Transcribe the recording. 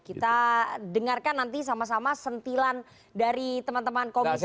kita dengarkan nanti sama sama sentilan dari teman teman komis joko ya